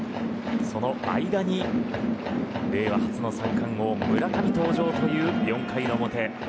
その間に令和初の三冠王村上登場という４回表。